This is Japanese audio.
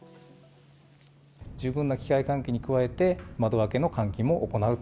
十分な機械換気に加えて、窓開けの換気も行うと。